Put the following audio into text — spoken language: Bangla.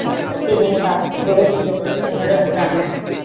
তিনি কাজ গড়ে তুলেছেন শহরে ও গ্রামে।